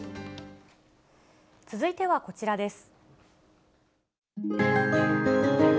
続いてはこちらです。